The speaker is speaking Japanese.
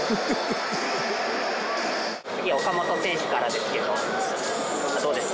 次は岡本選手からですけどどうですか？